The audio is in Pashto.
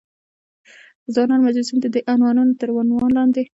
د ځوانانو مجلسونه، ددې عنوانونو تر عنوان لاندې.